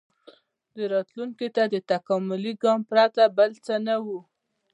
• دې راتلونکي ته د تکاملي ګام پرته بل څه نه و.